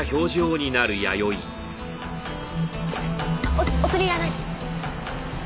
おお釣りいらないです。